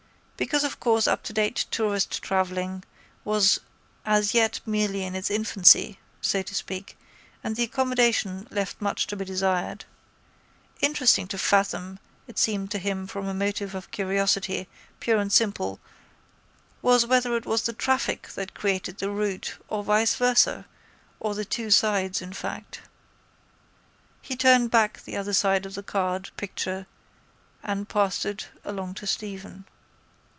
Because of course uptodate tourist travelling was as yet merely in its infancy, so to speak, and the accommodation left much to be desired. Interesting to fathom it seemed to him from a motive of curiosity, pure and simple, was whether it was the traffic that created the route or viceversa or the two sides in fact. He turned back the other side of the card, picture, and passed it along to Stephen.